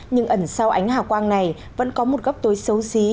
nhưng ẩn sau ánh hạ quang này vẫn có một góc tối xấu xí